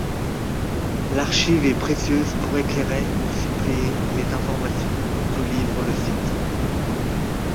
L'archive est précieuse pour éclairer ou suppléer les informations que livre le site.